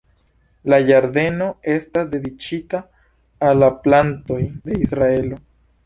La ĝardeno estas dediĉita al la plantoj de Israelo.